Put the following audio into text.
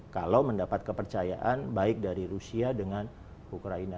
kalau mendapat kepercayaan baik dari rusia dengan ukraina